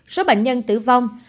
số bệnh nhân tử vong